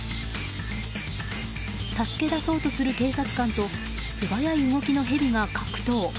助け出そうとする警察官と素早い動きのヘビが格闘。